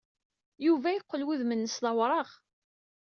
Yuba yeqqel wudem-nnes d awraɣ.